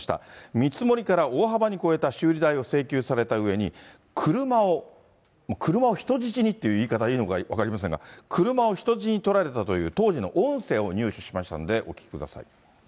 見積もりから大幅に超えた修理代を請求されたうえに、車を、車を人質にっていう言い方がいいのか分かりませんが、車を人質に取られたという、当時の音声を入手しましたので、お聞きください。